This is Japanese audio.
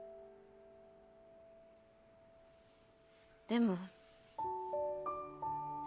でも。